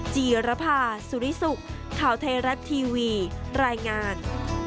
จีรภาสุริสุขข่าวไทยรัฐทีวีรายงาน